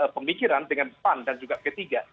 pemikiran dengan pan dan juga p tiga